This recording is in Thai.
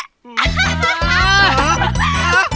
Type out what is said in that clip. ไม่เลิก